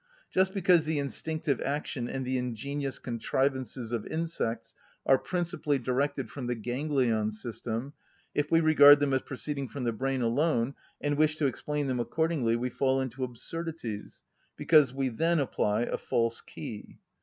Just because the instinctive action and the ingenious contrivances of insects are principally directed from the ganglion system, if we regard them as proceeding from the brain alone, and wish to explain them accordingly, we fall into absurdities, because we then apply a false key.